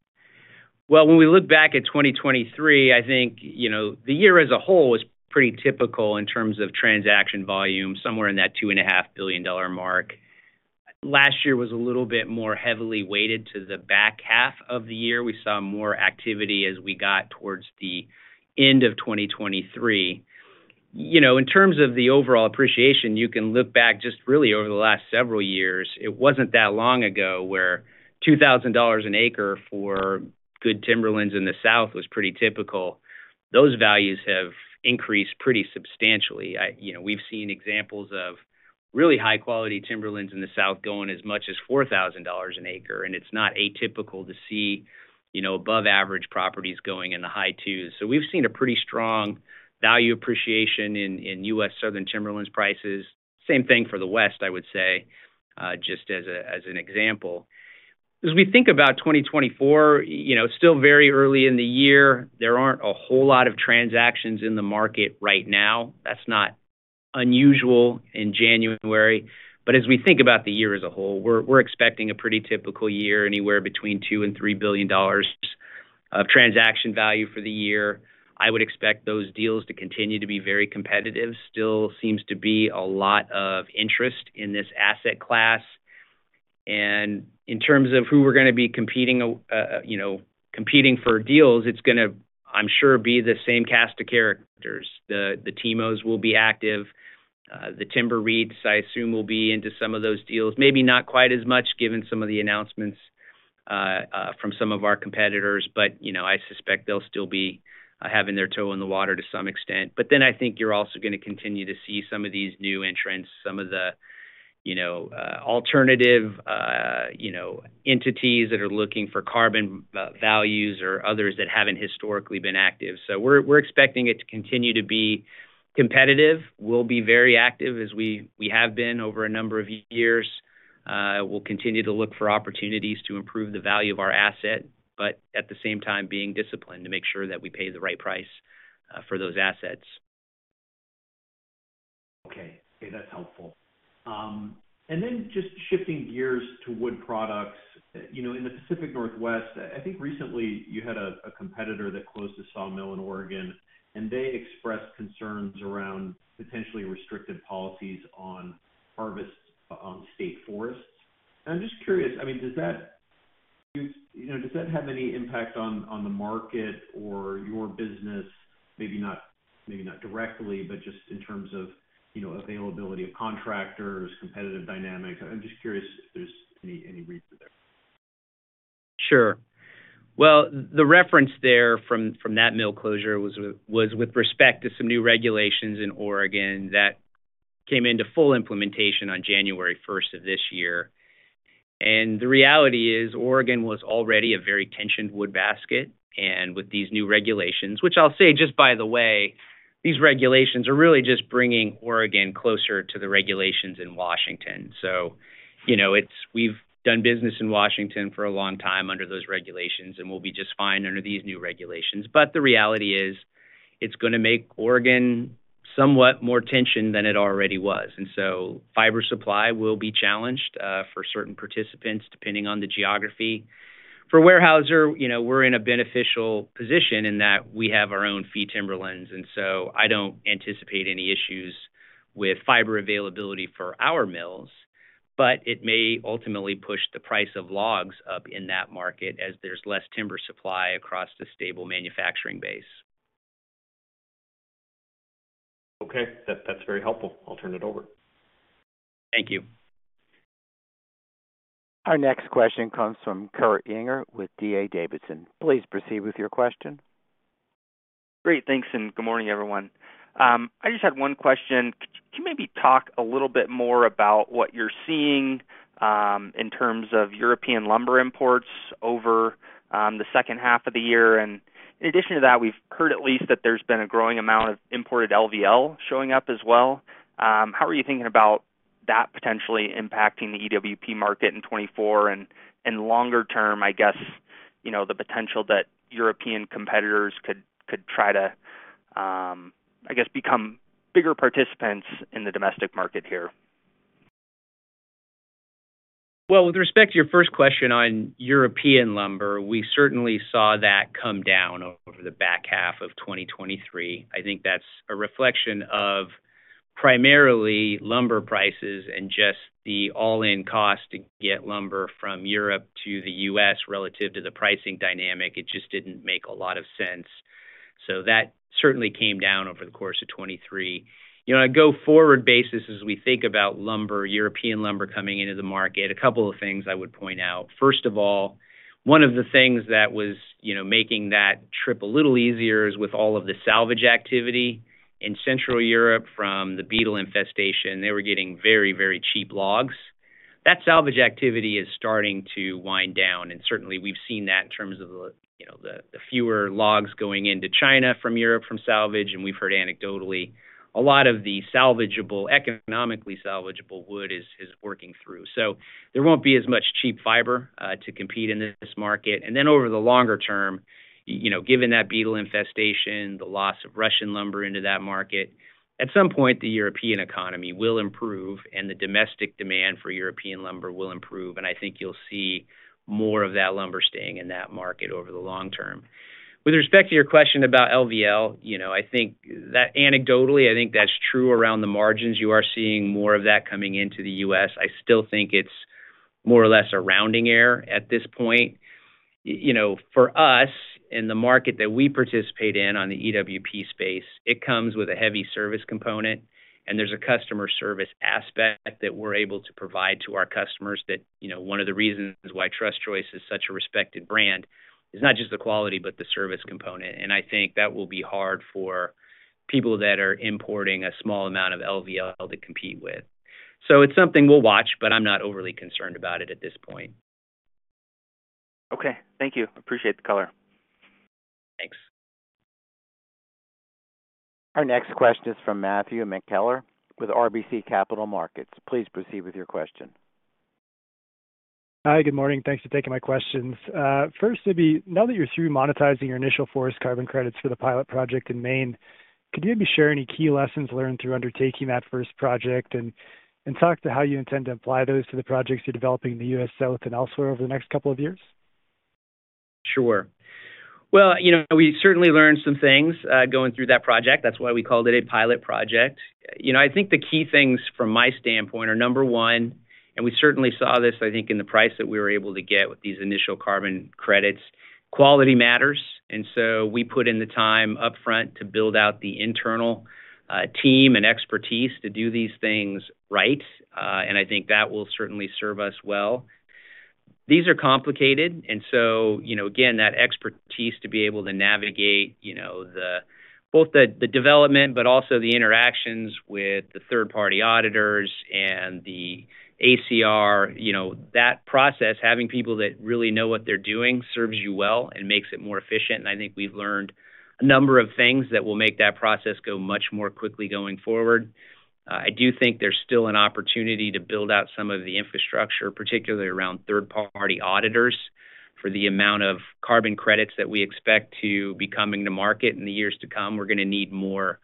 Speaker 3: Well, when we look back at 2023, I think, you know, the year as a whole was pretty typical in terms of transaction volume, somewhere in that $2.5 billion mark. Last year was a little bit more heavily weighted to the back half of the year. We saw more activity as we got towards the end of 2023. You know, in terms of the overall appreciation, you can look back just really over the last several years. It wasn't that long ago where $2,000 an acre for good timberlands in the South was pretty typical. Those values have increased pretty substantially. I-you know, we've seen examples of really high-quality timberlands in the South going as much as $4,000 an acre, and it's not atypical to see, you know, above average properties going in the high $2,000s. So we've seen a pretty strong value appreciation in U.S. southern timberlands prices. Same thing for the West, I would say, just as an example. As we think about 2024, you know, still very early in the year, there aren't a whole lot of transactions in the market right now. That's not unusual in January, but as we think about the year as a whole, we're expecting a pretty typical year, anywhere between $2 billion-$3 billion of transaction value for the year. I would expect those deals to continue to be very competitive. Still seems to be a lot of interest in this asset class, and in terms of who we're gonna be competing for deals, it's gonna, I'm sure, be the same cast of characters. The TIMOs will be active. The timber REITs, I assume, will be into some of those deals, maybe not quite as much, given some of the announcements from some of our competitors, but, you know, I suspect they'll still be having their toe in the water to some extent. But then I think you're also gonna continue to see some of these new entrants, some of the, you know, alternative, you know, entities that are looking for carbon values or others that haven't historically been active. So we're expecting it to continue to be competitive. We'll be very active as we have been over a number of years. We'll continue to look for opportunities to improve the value of our asset, but at the same time, being disciplined to make sure that we pay the right price for those assets.
Speaker 7: Okay. Okay, that's helpful. And then just shifting gears to wood products, you know, in the Pacific Northwest, I think recently you had a competitor that closed a sawmill in Oregon, and they expressed concerns around potentially restrictive policies on harvest on state forests. And I'm just curious, I mean, does that, you know, does that have any impact on, on the market or your business? Maybe not, maybe not directly, but just in terms of, you know, availability of contractors, competitive dynamics. I'm just curious if there's any read through there. Sure. Well, the reference there from that mill closure was with respect to some new regulations in Oregon that came into full implementation on January first of this year. And the reality is, Oregon was already a very tensioned wood basket, and with these new regulations, which I'll say, just by the way, these regulations are really just bringing Oregon closer to the regulations in Washington. So, you know, it's. We've done business in Washington for a long time under those regulations, and we'll be just fine under these new regulations. But the reality is, it's gonna make Oregon somewhat more tensioned than it already was. And so fiber supply will be challenged, for certain participants, depending on the geography. For Weyerhaeuser, you know, we're in a beneficial position in that we have our own fee timberlands, and so I don't anticipate any issues with fiber availability for our mills, but it may ultimately push the price of logs up in that market as there's less timber supply across the stable manufacturing base. Okay. That, that's very helpful. I'll turn it over.
Speaker 3: Thank you.
Speaker 1: Our next question comes from Kurt Yinger with D.A. Davidson. Please proceed with your question.
Speaker 8: Great. Thanks, and good morning, everyone. I just had one question. Can you maybe talk a little bit more about what you're seeing in terms of European lumber imports over the H2 of the year? And in addition to that, we've heard at least that there's been a growing amount of imported LVL showing up as well. How are you thinking about that potentially impacting the EWP market in 2024 and longer term, I guess, you know, the potential that European competitors could try to become bigger participants in the domestic market here?
Speaker 3: Well, with respect to your first question on European lumber, we certainly saw that come down over the back half of 2023. I think that's a reflection of primarily lumber prices and just the all-in cost to get lumber from Europe to the U.S. relative to the pricing dynamic. It just didn't make a lot of sense. So that certainly came down over the course of 2023. You know, on a go-forward basis, as we think about lumber, European lumber coming into the market, a couple of things I would point out. First of all, one of the things that was, you know, making that trip a little easier is with all of the salvage activity in Central Europe from the beetle infestation, they were getting very, very cheap logs. That salvage activity is starting to wind down, and certainly we've seen that in terms of the, you know, the, the fewer logs going into China from Europe from salvage, and we've heard anecdotally a lot of the salvageable, economically salvageable wood is, is working through. So there won't be as much cheap fiber to compete in this market. And then over the longer term, you know, given that beetle infestation, the loss of Russian lumber into that market, at some point, the European economy will improve and the domestic demand for European lumber will improve, and I think you'll see more of that lumber staying in that market over the long term. With respect to your question about LVL, you know, I think that anecdotally, I think that's true around the margins. You are seeing more of that coming into the U.S.. I still think it's more or less a rounding error at this point. You know, for us, in the market that we participate in on the EWP space, it comes with a heavy service component, and there's a customer service aspect that we're able to provide to our customers that, you know, one of the reasons why Trus Joist is such a respected brand is not just the quality, but the service component. I think that will be hard for people that are importing a small amount of LVL to compete with. So it's something we'll watch, but I'm not overly concerned about it at this point.
Speaker 8: Okay. Thank you. Appreciate the color.
Speaker 3: Thanks.
Speaker 1: Our next question is from Matthew McKellar with RBC Capital Markets. Please proceed with your question.
Speaker 9: Hi, good morning. Thanks for taking my questions. First, maybe now that you're through monetizing your initial forest carbon credits for the pilot project in Maine, could you maybe share any key lessons learned through undertaking that first project and talk to how you intend to apply those to the projects you're developing in the U.S. South and elsewhere over the next couple of years?
Speaker 3: Sure. Well, you know, we certainly learned some things going through that project. That's why we called it a pilot project. You know, I think the key things from my standpoint are, number one, and we certainly saw this, I think, in the price that we were able to get with these initial carbon credits. Quality matters, and so we put in the time upfront to build out the internal team and expertise to do these things right, and I think that will certainly serve us well. These are complicated, and so, you know, again, that expertise to be able to navigate the development but also the interactions with the third-party auditors and the ACR, you know, that process, having people that really know what they're doing serves you well and makes it more efficient. And I think we've learned a number of things that will make that process go much more quickly going forward. I do think there's still an opportunity to build out some of the infrastructure, particularly around third-party auditors. For the amount of carbon credits that we expect to be coming to market in the years to come, we're going to need more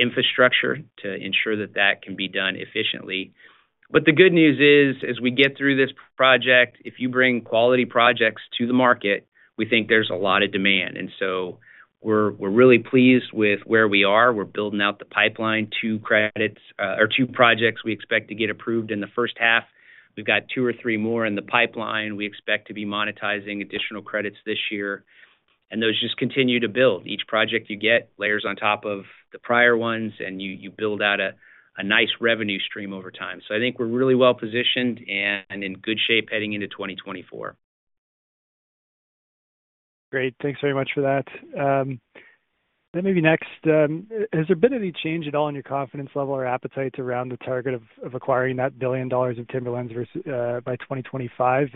Speaker 3: infrastructure to ensure that that can be done efficiently. But the good news is, as we get through this project, if you bring quality projects to the market, we think there's a lot of demand. And so we're, we're really pleased with where we are. We're building out the pipeline, two credits or two projects we expect to get approved in the first half. We've got two or three more in the pipeline. We expect to be monetizing additional credits this year, and those just continue to build. Each project you get layers on top of the prior ones, and you build out a nice revenue stream over time. So I think we're really well positioned and in good shape heading into 2024.
Speaker 9: Great. Thanks very much for that. Then maybe next, has there been any change at all in your confidence level or appetite around the target of acquiring that $1 billion of Timberlands versus by 2025?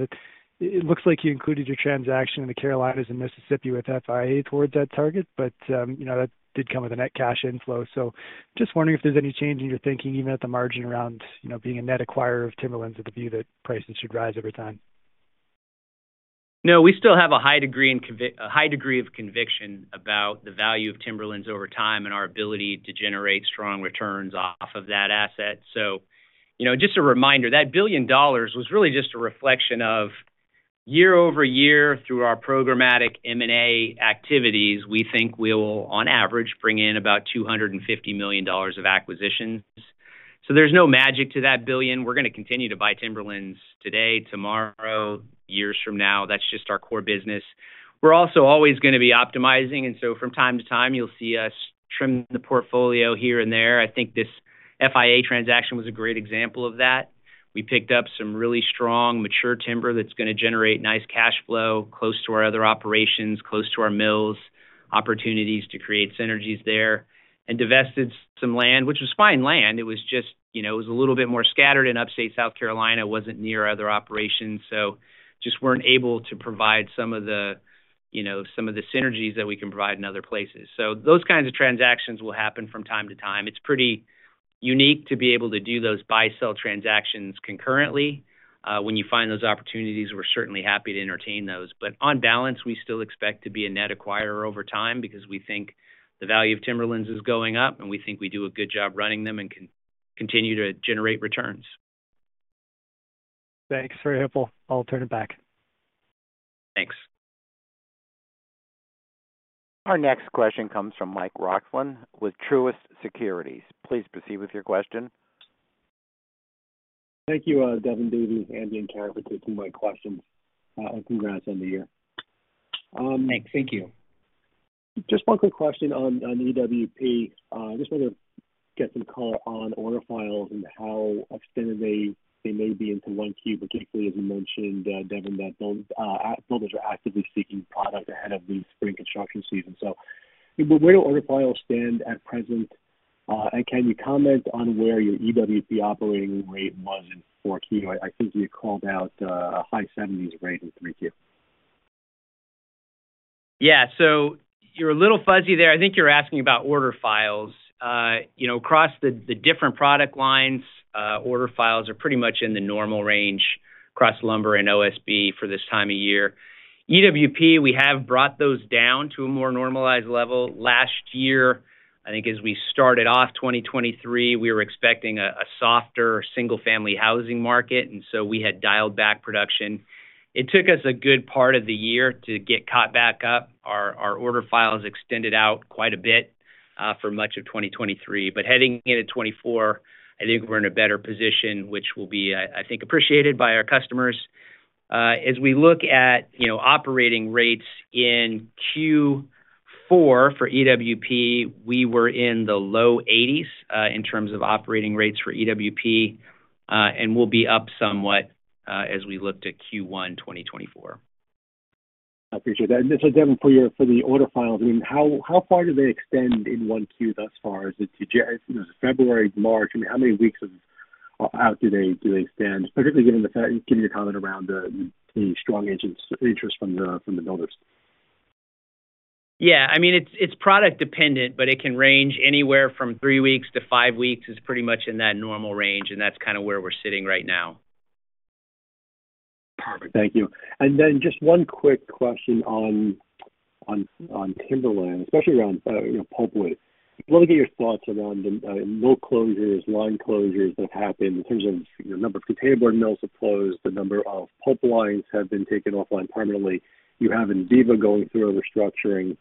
Speaker 9: It looks like you included your transaction in the Carolinas and Mississippi with FIA towards that target, but you know, that did come with a net cash inflow. So just wondering if there's any change in your thinking, even at the margin, around you know, being a net acquirer of Timberlands with the view that prices should rise over time.
Speaker 3: No, we still have a high degree of conviction about the value of timberlands over time and our ability to generate strong returns off of that asset. So, you know, just a reminder, that $1 billion was really just a reflection of year-over-year through our programmatic M&A activities, we think we will, on average, bring in about $250 million of acquisitions. So there's no magic to that $1 billion. We're going to continue to buy timberlands today, tomorrow, years from now. That's just our core business. We're also always going to be optimizing, and so from time to time, you'll see us trim the portfolio here and there. I think this FIA transaction was a great example of that. We picked up some really strong, mature timber that's going to generate nice cash flow, close to our other operations, close to our mills, opportunities to create synergies there, and divested some land, which was fine land. It was just, you know, it was a little bit more scattered in upstate South Carolina, wasn't near other operations, so just weren't able to provide some of the, you know, some of the synergies that we can provide in other places. So those kinds of transactions will happen from time to time. It's pretty unique to be able to do those buy-sell transactions concurrently. When you find those opportunities, we're certainly happy to entertain those. But on balance, we still expect to be a net acquirer over time because we think the value of timberlands is going up, and we think we do a good job running them and can continue to generate returns.
Speaker 9: Thanks, very helpful. I'll turn it back.
Speaker 3: Thanks.
Speaker 1: Our next question comes from Mike Roxland with Truist Securities. Please proceed with your question.
Speaker 10: Thank you, Devin, Davey, Andy, and Kara, for taking my questions, and congrats on the year.
Speaker 3: Thanks. Thank you.
Speaker 10: Just one quick question on, on EWP. I just wanted to get some call on order files and how extended they, they may be into Q1, particularly, as you mentioned, Devin, that builders, builders are actively seeking product ahead of the spring construction season. So where do order files stand at present? And can you comment on where your EWP operating rate was in Q4? I think you called out a high 70s rate in Q3.
Speaker 3: Yeah. So you're a little fuzzy there. I think you're asking about order files. You know, across the different product lines, order files are pretty much in the normal range across lumber and OSB for this time of year. EWP, we have brought those down to a more normalized level. Last year, I think as we started off 2023, we were expecting a softer single-family housing market, and so we had dialed back production. It took us a good part of the year to get caught back up. Our order files extended out quite a bit for much of 2023. But heading into 2024, I think we're in a better position, which will be, I think, appreciated by our customers. As we look at, you know, operating rates in Q4 for EWP, we were in the low 80s, in terms of operating rates for EWP, and we'll be up somewhat, as we look to Q1, 2024.
Speaker 10: I appreciate that. And just, Devin, for the order files, I mean, how far do they extend into Q1 thus far? Is it February, March? I mean, how many weeks out do they extend, particularly given your comment around the strong interest from the builders?
Speaker 3: Yeah, I mean, it's product dependent, but it can range anywhere from three weeks to five weeks, is pretty much in that normal range, and that's kind of where we're sitting right now.
Speaker 10: Perfect. Thank you. Then just one quick question on Timberland, especially around, you know, pulpwood. I want to get your thoughts around the mill closures, line closures that have happened in terms of, you know, number of containerboard mills have closed, the number of pulp lines have been taken offline permanently. You have Enviva going through a restructuring....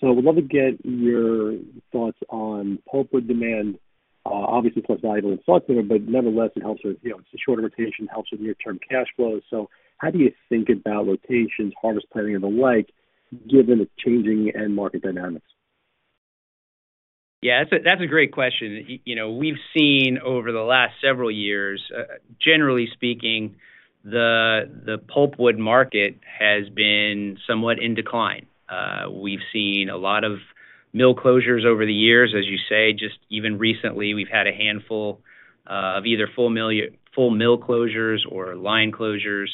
Speaker 10: So we'd love to get your thoughts on pulpwood demand. Obviously, plus value in softwood, but nevertheless, it helps with, you know, it's a shorter rotation, helps with near-term cash flow. So how do you think about rotations, harvest planning, and the like, given the changing end market dynamics?
Speaker 3: Yeah, that's a great question. You know, we've seen over the last several years, generally speaking, the pulpwood market has been somewhat in decline. We've seen a lot of mill closures over the years. As you say, just even recently, we've had a handful of either full mill closures or line closures.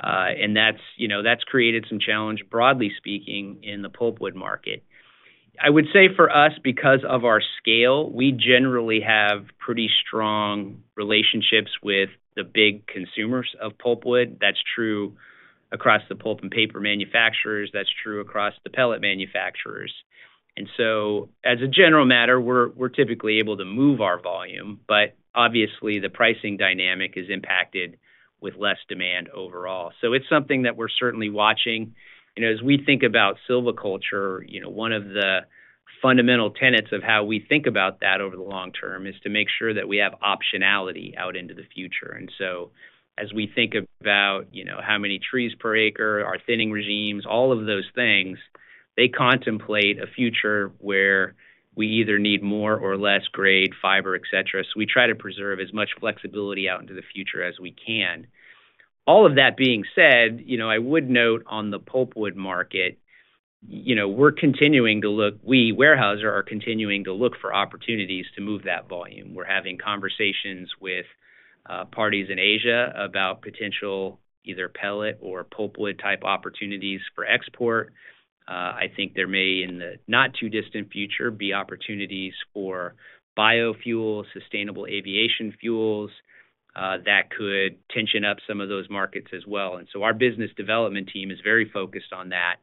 Speaker 3: And that's, you know, that's created some challenge, broadly speaking, in the pulpwood market. I would say for us, because of our scale, we generally have pretty strong relationships with the big consumers of pulpwood. That's true across the pulp and paper manufacturers, that's true across the pellet manufacturers. And so, as a general matter, we're, we're typically able to move our volume, but obviously, the pricing dynamic is impacted with less demand overall. So it's something that we're certainly watching. You know, as we think about silviculture, you know, one of the fundamental tenets of how we think about that over the long term is to make sure that we have optionality out into the future. And so, as we think about, you know, how many trees per acre, our thinning regimes, all of those things, they contemplate a future where we either need more or less grade, fiber, et cetera. So we try to preserve as much flexibility out into the future as we can. All of that being said, you know, I would note on the pulpwood market, you know, we're continuing to look - we, Weyerhaeuser, are continuing to look for opportunities to move that volume. We're having conversations with parties in Asia about potential, either pellet or pulpwood-type opportunities for export. I think there may, in the not too distant future, be opportunities for biofuels, sustainable aviation fuels, that could tension up some of those markets as well. And so our business development team is very focused on that,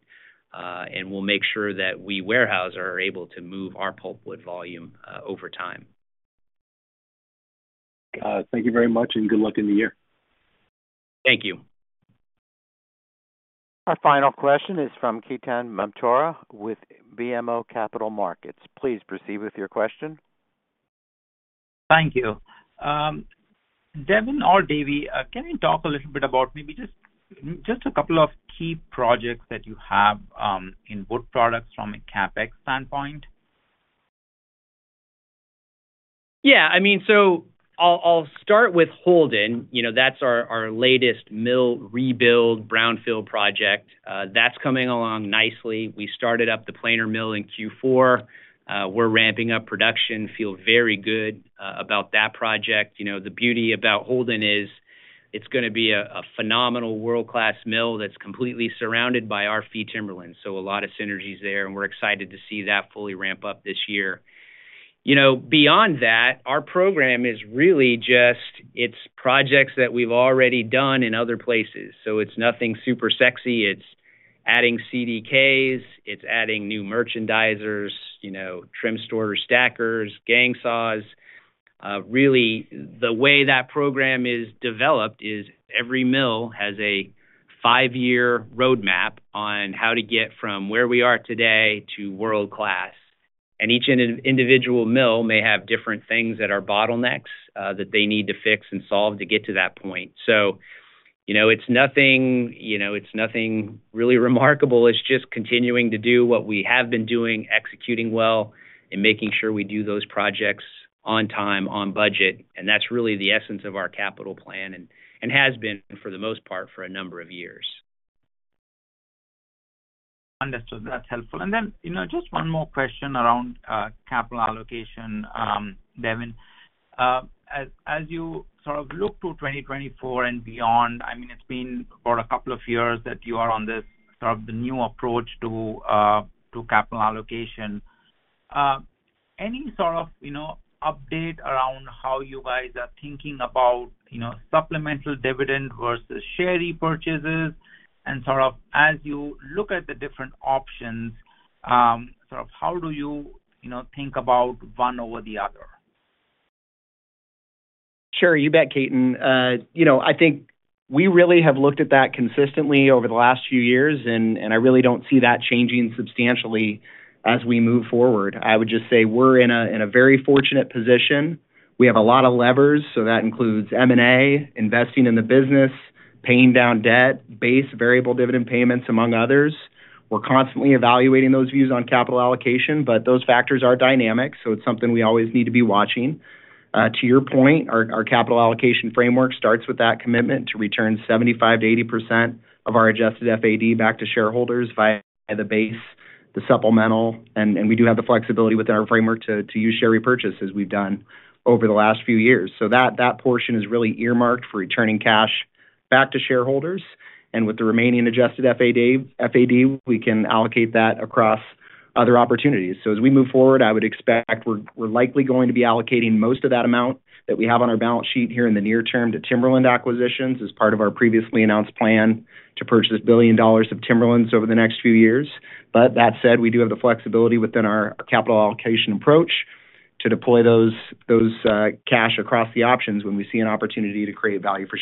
Speaker 3: and we'll make sure that we, Weyerhaeuser, are able to move our pulpwood volume, over time.
Speaker 10: Thank you very much, and good luck in the year.
Speaker 3: Thank you.
Speaker 1: Our final question is from Ketan Mamtora with BMO Capital Markets. Please proceed with your question.
Speaker 11: Thank you. Devin or Davie, can you talk a little bit about maybe just a couple of key projects that you have in wood products from a CapEx standpoint?
Speaker 3: Yeah, I mean, so I'll start with Holden. You know, that's our latest mill rebuild brownfield project. That's coming along nicely. We started up the planer mill in Q4. We're ramping up production. Feel very good about that project. You know, the beauty about Holden is it's gonna be a phenomenal world-class mill that's completely surrounded by our fee timberlands. So a lot of synergies there, and we're excited to see that fully ramp up this year. You know, beyond that, our program is really just... It's projects that we've already done in other places, so it's nothing super sexy. It's adding CDKs, it's adding new merchandisers, you know, trim store stackers, gang saws. Really, the way that program is developed is every mill has a five-year roadmap on how to get from where we are today to world-class, and each individual mill may have different things that are bottlenecks that they need to fix and solve to get to that point. So, you know, it's nothing, you know, it's nothing really remarkable. It's just continuing to do what we have been doing, executing well, and making sure we do those projects on time, on budget, and that's really the essence of our capital plan and has been, for the most part, for a number of years.
Speaker 11: Understood. That's helpful. And then, you know, just one more question around capital allocation, Devin. As you sort of look to 2024 and beyond, I mean, it's been for a couple of years that you are on this, sort of, the new approach to capital allocation. Any sort of, you know, update around how you guys are thinking about, you know, supplemental dividend versus share repurchases? And sort of, as you look at the different options, sort of, how do you, you know, think about one over the other?
Speaker 4: Sure, you bet, Ketan. You know, I think we really have looked at that consistently over the last few years, and I really don't see that changing substantially as we move forward. I would just say we're in a very fortunate position. We have a lot of levers, so that includes M&A, investing in the business, paying down debt, base variable dividend payments, among others. We're constantly evaluating those views on capital allocation, but those factors are dynamic, so it's something we always need to be watching. To your point, our capital allocation framework starts with that commitment to return 75%-80% of our Adjusted FAD back to shareholders via the base, the supplemental, and we do have the flexibility within our framework to use share repurchases we've done over the last few years. So that, that portion is really earmarked for returning cash back to shareholders, and with the remaining adjusted FAD, FAD, we can allocate that across other opportunities. So as we move forward, I would expect we're, we're likely going to be allocating most of that amount that we have on our balance sheet here in the near term to timberland acquisitions, as part of our previously announced plan to purchase $1 billion of timberlands over the next few years. But that said, we do have the flexibility within our capital allocation approach to deploy those, those, cash across the options when we see an opportunity to create value for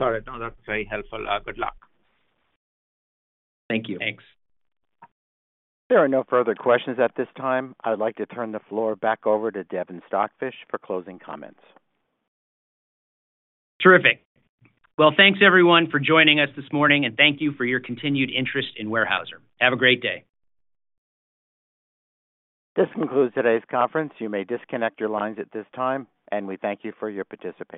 Speaker 4: shareholders.
Speaker 11: Got it. No, that's very helpful. Good luck.
Speaker 4: Thank you.
Speaker 3: Thanks.
Speaker 1: There are no further questions at this time. I'd like to turn the floor back over to Devin Stockfish for closing comments.
Speaker 3: Terrific. Well, thanks everyone for joining us this morning, and thank you for your continued interest in Weyerhaeuser. Have a great day.
Speaker 1: This concludes today's conference. You may disconnect your lines at this time, and we thank you for your participation.